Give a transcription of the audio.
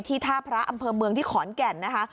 ท่าพระอำเภอเมืองที่ขอนแก่นนะคะ